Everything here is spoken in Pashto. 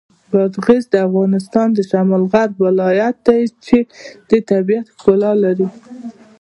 بادغیس د افغانستان د شمال غرب ولایت دی چې د طبیعت ښکلا لري.